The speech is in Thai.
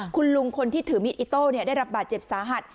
คุณลุงคนที่ถือมีดอิโต้ได้รับบาดเจ็บสาหัส